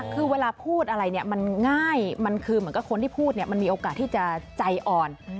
คือเวลาพูดอะไรเนี่ยมันง่ายมันคือเหมือนกับคนที่พูดเนี่ยมันมีโอกาสที่จะใจอ่อน